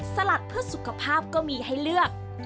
สลัดเพื่อสุขภาพก็มีให้เลือก